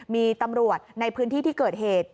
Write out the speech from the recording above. มีตำรวจในพื้นที่ที่เกิดเหตุ